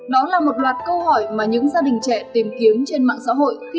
đó là một loạt câu hỏi mà những gia đình trẻ tìm kiếm trên mạng xã hội